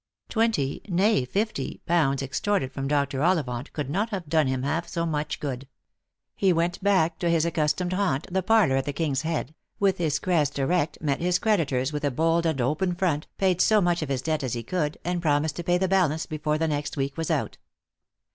Twenty, nay fifty, pounds extorted from Dr. Ollivant could not have done him half so much good. He went back to his accustomed haunt — the parlour at the King's Head — with his crest erect met his creditors with a Xo*t for Love. 309 bold and open front, paid &o much of his debt as he could, and promised to pay the balance before the next week was out.